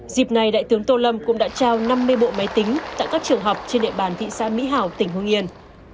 dịp này đại tướng tô lâm cũng đã trao năm mươi bộ máy tính tại các trường học trên địa bàn thị xã mỹ hảo tỉnh hương yên